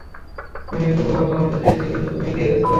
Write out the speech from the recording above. আমি ওকে বহুবার থামাতে চেয়েছি, কিন্তু তুমি এগিয়ে গেছ।